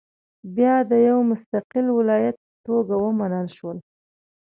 بیا د یو مستقل ولایت په توګه ومنل شول.